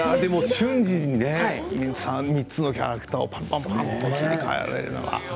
瞬時にね、３つのキャラクターをぱんぱんと切り替えられるのは。